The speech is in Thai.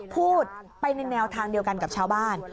พูดไปในแนวทางเดียวกันกับชาวบ้าน